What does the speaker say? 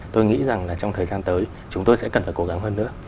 tôi nghĩ rằng là trong thời gian tới chúng tôi sẽ cần phải cố gắng hơn nữa